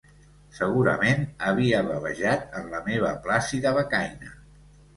Segurament havia bavejat en la meva plàcida becaina.